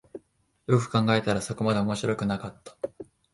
よく考えたらそこまで面白くなかった